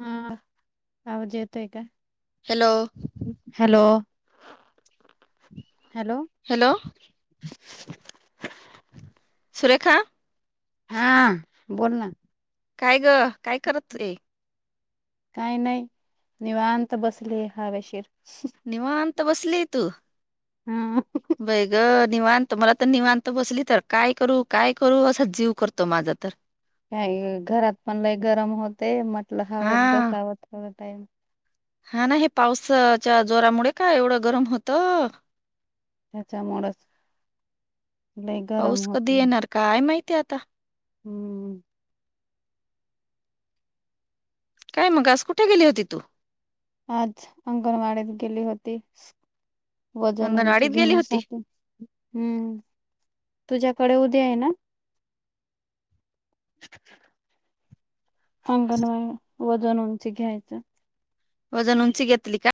हा आवाज येतोय का हॅलो हॅलो हॅलो [inaudible] सुरेखा हा बोल ना काय ग काय करत ये काही नाही निवांत बसले हवेशीर निवांत बसली तू हा बै ग निवांत मला तर निवांत बसली तर काय करू काय करू असा जीव करतो माझा तर काय घरात पण लय गरम होते म्हटलं हा हवेत बसावं थोडं टाइम हा ना हे पावसाच्या जोरामुळे का एवढं गरम होत त्याच्यामुळेच लय गरम पाऊस कधी होते येणार काय माहित ्याता हम्म काय मग आज कुठे गेली होती तू आज अंगणवाडीत गेली होती वजन उंचे अंगणवाडीत गेली होती घेण्यासाठी हम्म तुझ्या थोडे उद्या आहे ना [inaudible] अंगण वजन उंची घ्यायचं वजन उंची घेतली का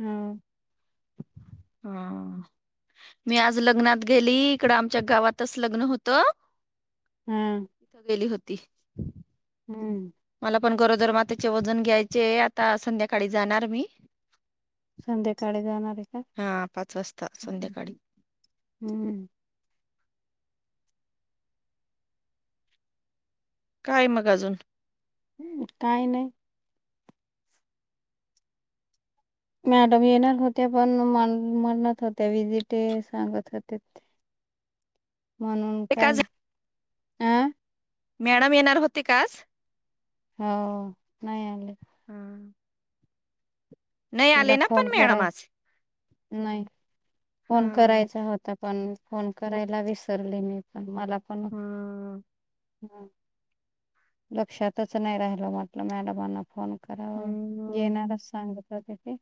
हम हा मी आज लग्नात गेली इकड आमच्या गावातच लग्न होत हा गेली होती हम्म मला पण गरोदर मातेचे वजन घ्यायचे आता संध्याकाळी जाणार मी संध्याकाळी जाणार आहे का हा पाच वाजता संध्याकाळी हम्म काय मग अजून काय नाही मॅडम येणार होत्या पण म्हणत होत्या विजिट सांगत होते [inaudible] म्हणून ते काय का झा- अं मॅडम येणार होते का आज हो नाही आले हा. नाही तिला आले ना पण फोन मॅडम कराय आज नाही हा, फोन करायचा होता पण फोन करायला विसरले मी पण मला पण हा, ह लक्षातच नाही राहिलं म्हटलं मॅडमांना फोन करा हम्म, येणारच सांगत तिथे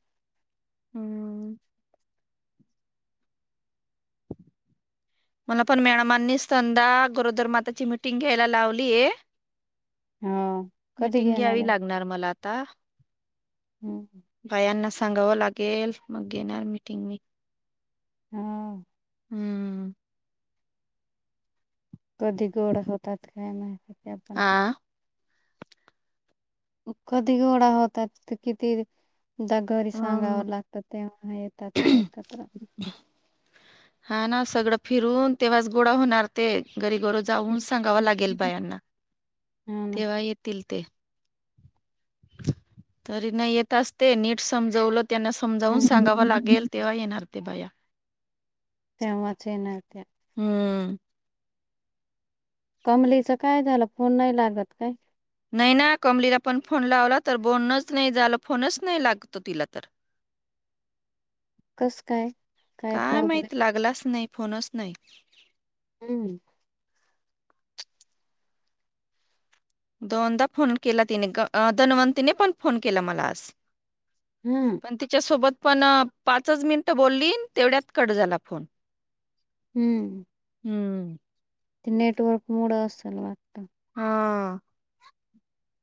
हम्म मला पण मॅडमांनी संंदा गोरोदर माताची मिटिंग घ्यायला लावलीय. हो कधी मीटिंग घेणार घ्यावी आहे? लागणार मला आता. हं, बायांना सांगावं लागेल मग घेणार मीटिंग मी. हम्. हम्म. कधी गोळा होतात काय म्हहिती त्या पण. हा कधी घोडा होतात किती दा घरी हं. सांगावं लागतात तेव्हा येतात त्या एकत्र. हा ना सगळं फिरून तेव्हाच गोळा होणार ते. घरी गरो जाऊन सांगावा लागेल बायांना. हा ना. तेव्हा येतील ते. तरी नाही येेत असतंय नीट समजवलं त्यांना समजावून सांगावं लागेल तेव्हा येणार ते बाया. तेव्हाच येणार त्या. हम्म. कमलीच काय झालं फोन नाही लागत का. नैना कमलीला पण फोन लावला तर बोनच नाही झालं फोनच नाही लागतो तिला तर. कस काय? काय प्रॉब्लेम माहित लागलाच नाही. फोनच नाही. हम्म. दोनदा फोन केला तिने, धनवंतीने पण फोन केला मला आज. हम्म पण तिच्यासोबत पण पाचच मिनिटं बोललीन तेवढ्यात कट झाला फोन. हम्म. हम्म. ते नेटवर्क मूड अस असल वाटत. हा.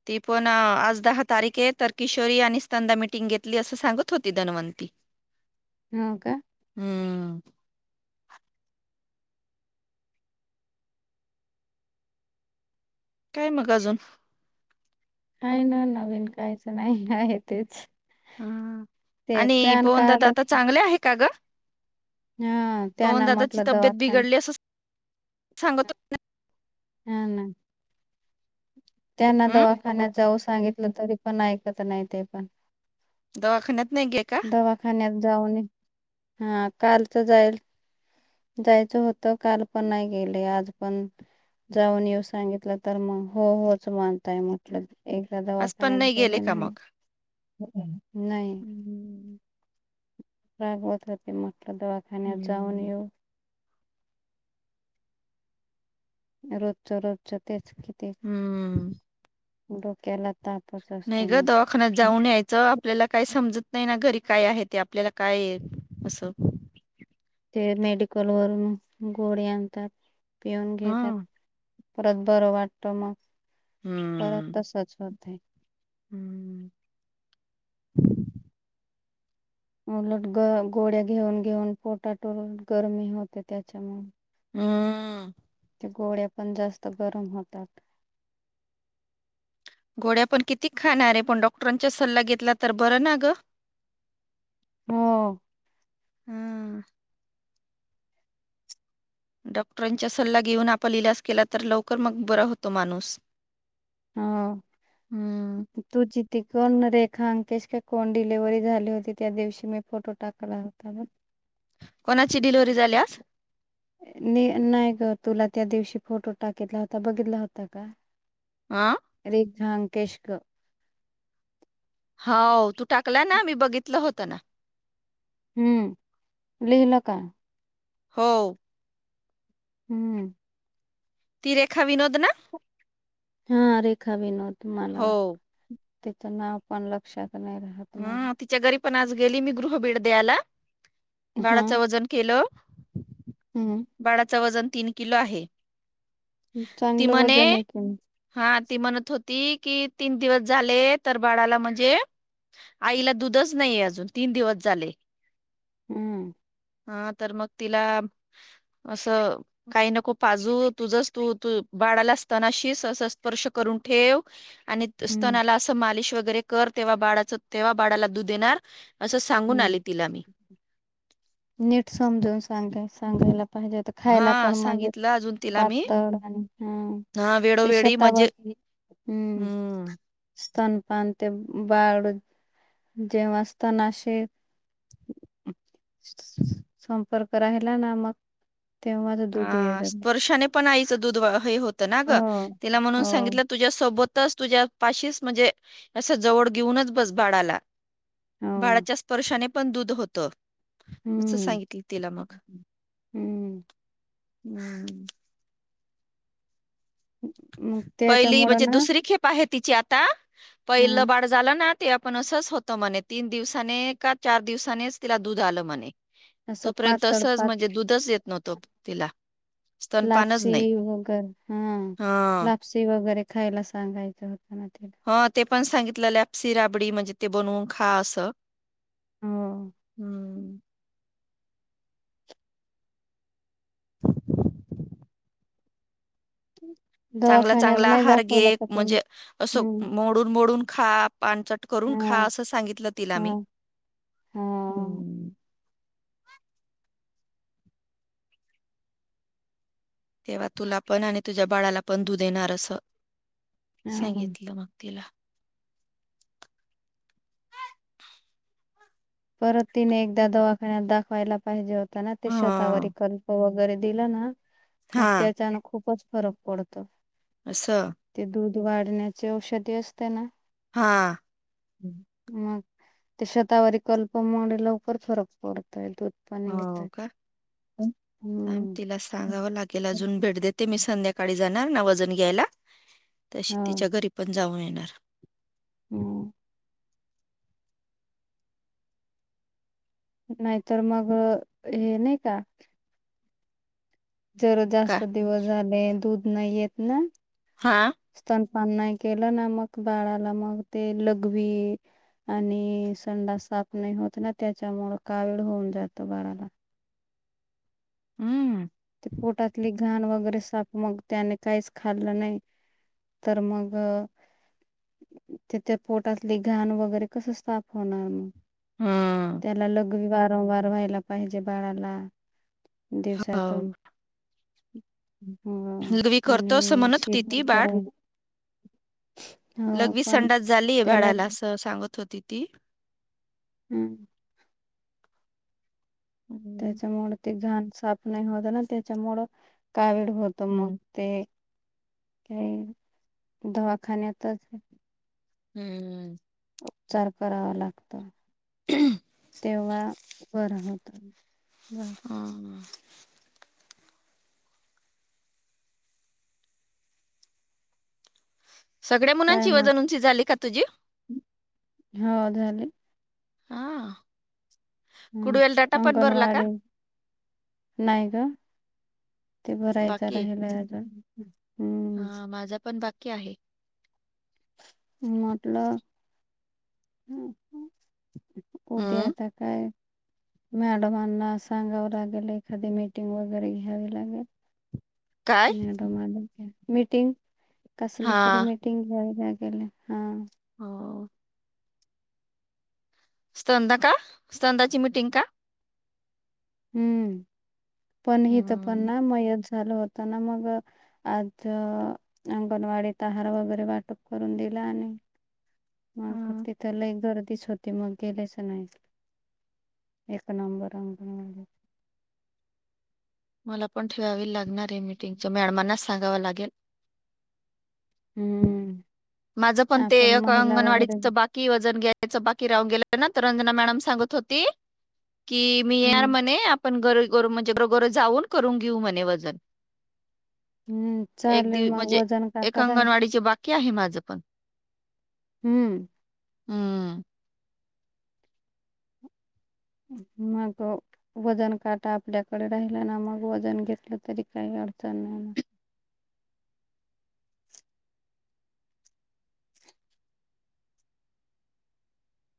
ती पण आज दहा तारीखे तर किशोरी आणि स्तंदा मिटिंग घेतली असं सांगत होती धनवंती. [unintelligible] हा का. हम्म. काय मग अजून. काय नाय नवीन कायच नाही आहे तेच. हा ते आणि पॅन कार्ड पवनदादा आता चांगले आहे का ग. हा त्यांना पवनदादाची म्हटलं तब्येत दवाखाना बिघडली असं सांगत... हा ना.. त्यांना हो हं? दवाखान्यात जाऊ सांगितलं तरी पण ऐकत नाही ते पण. दवाखान्यात नाही गे का? दवाखान्यात जाऊन, हा कालच जाईल... जायचं होतं काल पण नाही गेले आज पण... जाऊन येऊ सांगितलं तर मग हो होच माणताय म्हटलं. एकदा आज पण दवाखान्यात नाही गेले गले का ना, मग? नाही... हम्म. रागवत होते मोठल्या दवाखान्यात जाऊन हम्म. येऊ.. रोजच रोजच तेच किती हम्म. डोक्याला.. तापच नाही असतो ग दखानात मग जाऊन यायचं आपल्याला काही समजत नाही ना घरी... काय आहे ते आपल्याला काय असं. ते मेडिकल वरून गोळी आणतात पिऊन घेतात. हां. परत बरं वाटत मग हम्म. परत तसच होतय. हम्म. उलट ग गोळ्या घेऊन घेऊन पोटाट उट गरमी होते त्याच्यामुळे.... हम... गोळ्या पण जास्त गरम होतात.. गोड्या पण किती खाणारे पण डॉक्टरांचा सल्ला घेतला तर बरं ना ग.. हो.. हम्म.. डॉक्टरांचा सल्ला घेऊन आपण इलाज केला तर लवकर मग बरा होतो माणूस... हम्म... ते कोण रेखा अंकेश का कोण डिलिव्हरी झाली होती त्या दिवशी मी फोटो टाकला होता मग.. कोणाची डिलिव्हरी झाल्यास.. नि नाही ग तुला त्या दिवशी फोटो टाकितला होता बघितला होता का... आह.. रांकेश ग... हाव तू टाकला ना मी बघितलं होतं ना... हम्म लिहिलं का? हो... हम्म... ती रेखा विनोद ना... हा रेखा बिनोद हो म्हाला त्याच नाव पण लक्षात... नाही राहत मला हा तिच्या घरी पण आज गेली मी गृह भेड दयाला... हा बाळाच वजन केलं हम्म बाळाच वजन... तीन किलो आहे ती चांगलं म्हणे वजन आहे की हा... ती म्हणत होती कि तीन दिवस झाले तर बाळाला म्हणजे... आईला दुधच नाहीये अजून तीन दिवस झाले.. हम्म... हा तर मग तिला असं काही नको पाजू तुझच तू तू... वाडला असतानाशी स्पर्श करून ठेव... आणि हम्म स्तनाला असं मालिश वगैरे कर तेव्हा बाळाच तेव्हा बाळाला दूध येणार.. असं सांगून हम्म आले तिला मी... नीट समजवून सांगाय सांगायला.. पाहिजे तर हा खायला पण म्हणजे सांगितलं अजून तिला मी पातळ आणि हम. हा वेळोवेळी म्हणजे तेशातावरती हम् हम्म स्थन पण ते बाळ जेव्हा असताना असे. संपर्क राहिला ना मग तेव्हाच दूध हा येत स्पर्शाने पण आई च दुध हो हई होत नाग हो तिला म्हणून हो सांगितल तुझ्या सोबत. त तुझ्या पाशीचं म्हणजे अस जवळ घेऊनच बस बाडाला हो बाळाच्या स्पर्शाने पण दूध होतं. असचं हम्म सांगितली तेला मग हम्म हम्म. मग पहिली त्याच्यामुळं म्हणजे ना दुसरी खेप आहे तिची आता हा पहिलं बाळ झालं ना. ते आपण असच होत म्हणे तीन दिवसाने का चार दिवसानेच तिला दूध आलं म्हणे. असं तोपर्यंत पातळ असचं पात म्हणजे दुधच येत नव्हतो तिला स्तनपानच लापसी नाही वगैर हा हा लापसी वगैरे खायला सांगायचं होत. त्यातेलं हा ते पण सांगितलं लॅप्सी राबडी म्हणजे ते बनवून खा असं. हो हम्म. [inaudible] चांगला दवाखान्यात चांगला नाही आहार दाखवलं घे का त्यांनी म्हणजे असं हम्. मोडून मोडून खा पानचट करून खा असं सांगितलं तिला मी हा हा हम. [inaudible] तेव्हा तुला पण आणि तुझ्या बाळाला पण धू देणार असं. हा सांगितलं मग तिला परत तिने एकदा दवाखान्यात दाखवायला पाहिजे होता ना ते हा शेतावरारी कल्प व वगैरे दिला ना मग हां, त्याच्यान खूपच फरक पडत. असा. वाढण्याची औषधी असते ना. हा. मग ते शतावरारी कल्पमलाकरर फरक पडत य त हो का तिला हम्म सांगावं लागेला हम्म. अजून भेट देते मी संध्याकाळी जाणार ना वजन घ्यायला तशी हा तिच्या घरी पण जाऊन येणार. होम. नाहीतर मग हे नाही का? जर का? जास्त दिवस झाले दूध नाही येत ना. हा. पण नाही केलं ना मग बाळाला मग ते लघवी. आणि संडा साफ नाही होत ना त्याच्यामुळे कावीळ होऊन जातं बाराला. हम्म. ते कोटातले घाण वगैरे साफ मग त्याने काहीच खाल्लं नाही तर मग त्यािथ पोटातले घाण वगैरे कसं साफ होणार मग हं. त्याला लघवी वारंवार व्हायला पाहिजे बाळाला. देवसाातून हो. वी करर्त समनत शिपण तती बाळ. कराय हो लगवीच पण संडात झालीय त्याला भाड्याला असं सांगत होती ती हम्म. हं, त्याच्यामुं ते घाण साफ नाही होत ना त्याच्यामुं का वेळ होत मग हं, ते हे दवाखान्या तर हम्मम्म. उपचार करावा लागत तेव्हा बरं होत बर हम ह सगळ्या काय मुलांची मग वजन उंची झाली का तुझी होा झाले आा ह कुडवेल डाटा पण बरला का अंगणवाडी नाही ग ते भरायचं राहिल अजून हम्म ह माझा पण वाक्य आहे मतलब हम उद्या हं, आता काय मॅडमांना सांगावं लागेल एखादी मीटिंग वगैरे घ्यावी लागेल काय? मिीटिंग कसली तरी हां, मिटिंग घ्या हा हो स्ंदा का स्तंदाची मिीटिंग का हम्म पण ह तर पण हम्म. ना मयच झाल होत ना मग आज अंगणवाडीत आहार वगैरे वाटप करून दि आणि मग हम्म. तिथ ल गर्दीच होती मग गेलेच नाही एक नंबर अंंगनवाले मला पण ठेवावी लागणार आहे मिीटिंगच मॅडमांनाच सांगावं लागेल हम्म माझं पण ते आपण महिला वगैरे अंगणवाडीच बाकी वजन घ्या बाकी राहून गेल ना तर रंजना मॅडम सांगत होती की मी यार हम्म म्हणे पण गरोर म्हणजे बरोघर जाऊन करून घेऊ म्हणे वजन हम्म एक चालेल दि मग म्हणजे वजन एक काटा राहील अंगणवाडीचे बाकी आहे माझं पण हम्म हम्म मग वजन काटा आपल्याकडे राहिला ना मग वजन घेतलं तरी काही अडच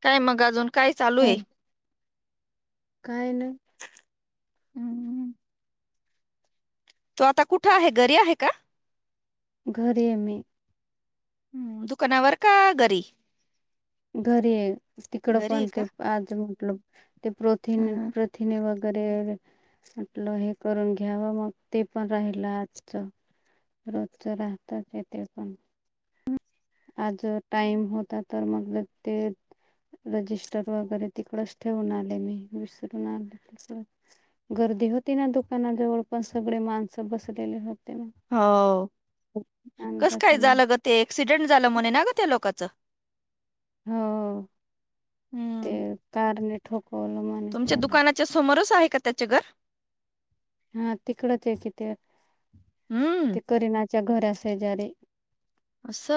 काय मग अजून काय चालू आहे हो. काय नाही हम्मम तो आता कुठं आहे घरी आहे का घरे म हम् दुकानावर का घरी घरी आहे तिकडं घरी पण आहे ते का आज म्हटल ते प्रथि हम्म. प्रथिने व वगैरे म्हटलं हे करून घ्यावं मग ते पण राहिलं आजच रोज राहतात येथे पण हम आज टाइम होता तर मगल ते रजिस्टर वगैरे तिकडच ठेवून आले मी विसरून आले गर्दी होती ना दुकानाजवळ पण सगळे माणसं बस हो कस आणलंच काय नाही झालं ग ते ऍक्सिडेंट झालं म्हणे ना ग त्या लोक कच हो ते हम्म कारने ठोकवलं म्हणे तुमच्या त्याला दुकानाच्या समोरच आहे का त्याच्या घर हा तिकडच आहे कि ते हम्म च्या घरा शेजारी अस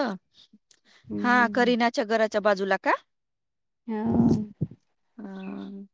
हा हम्म. करीनाच्या घराच्या बाजूला का ह हा